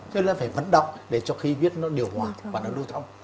thế là phải vấn động để cho khí huyết nó điều hoạt và lưu thông